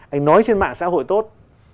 anh nói trên mạng xã hội tốt